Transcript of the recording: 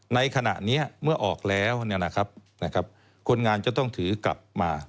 ในขณะนี้เมื่อออกแล้วคนงานจะต้องถือกลับมา